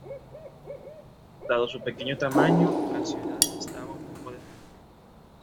Dado su pequeño tamaño, la ciudad estaba poco defendida.